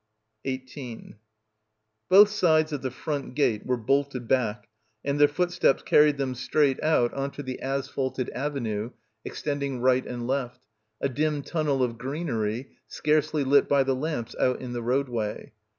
18 Both sides of the front gate were bolted back and their footsteps carried them straight out on to the asphalted avenue extending right and left, a dim tunnel of greenery, scarcely lit by the lamps out in the roadway.